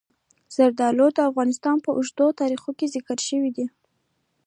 زردالو د افغانستان په اوږده تاریخ کې ذکر شوي دي.